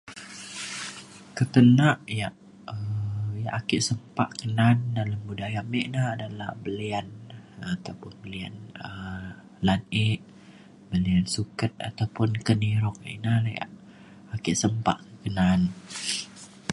Ketenak ya' um ake sempa ke na'at dalem budaya mik na adalah belian um ataupun belian um landik belian suket ataupun keniruk. Ina re ya' ake sempa ke na'an.